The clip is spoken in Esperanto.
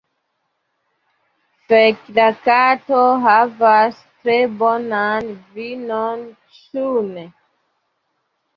Fek' la kato havas tre bonan vivon, ĉu ne?